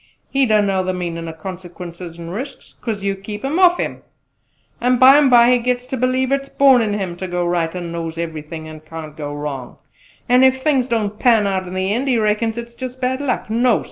He don't know the meanin' o' consequences and risks, 'cause you kep' 'em off him! An' bymbye he gets ter believe it's born in him ter go right, an' knows everything, an' can't go wrong; an' ef things don't pan out in the end he reckon it's jus' bad luck! No!